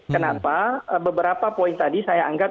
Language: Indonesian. kenapa beberapa poin tadi saya anggap